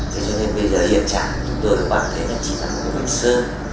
thế cho nên bây giờ hiện trạng chúng tôi thấy là chỉ là một cái bệnh sơn